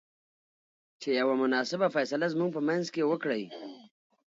چې يوه مناسبه فيصله زموږ په منځ کې وکړۍ.